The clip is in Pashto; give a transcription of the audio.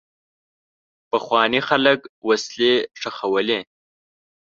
پخواني خلک وسلې ښخولې.